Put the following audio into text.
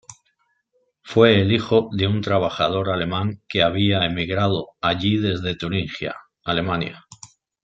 Fue el hijo de un trabajador alemán que había emigrado allí desde Turingia, Alemania.